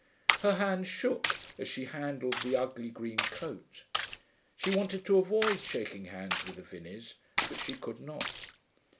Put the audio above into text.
Her hands shook as she handled the ugly green coat. She wanted to avoid shaking hands with the Vinneys, but she could not.